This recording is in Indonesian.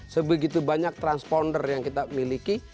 sebegitu banyak transponder yang kita miliki